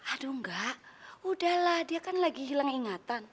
aduh enggak udahlah dia kan lagi hilang ingatan